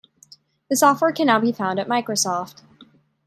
The software can now be found at Microsoft.